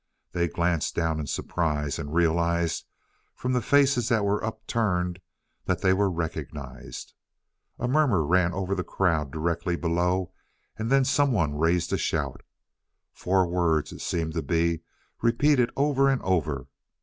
They glanced down in surprise, and realized, from the faces that were upturned, that they were recognized. A murmur ran over the crowd directly below, and then someone raised a shout. Four words it seemed to be, repeated over and over.